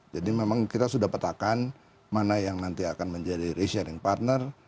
jadi memang kita sudah petakan mana yang nanti akan menjadi re sharing partner